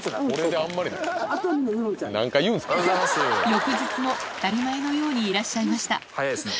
翌日も当たり前のようにいらっしゃいました早いですね。